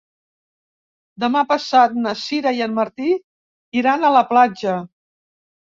Demà passat na Sira i en Martí iran a la platja.